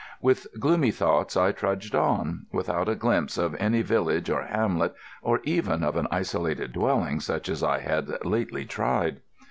With gloomy thoughts I trudged on, without a glimpse of any village or hamlet, or even of an isolated dwelling such as I had lately tried.